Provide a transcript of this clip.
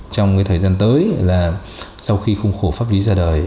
trong thời gian tới là sau khi khung khổ pháp lý ra đời